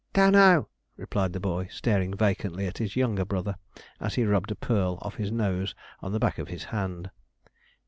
'Don't know!' replied the boy, staring vacantly at his younger brother, as he rubbed a pearl off his nose on the back of his hand.